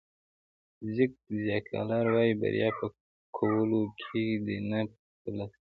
زیګ زیګلار وایي بریا په کولو کې ده نه په ترلاسه کولو.